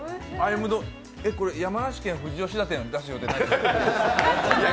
これ、山梨県富士吉田店出す予定ないですか？